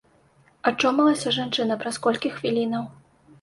Ачомалася жанчына праз колькі хвілінаў.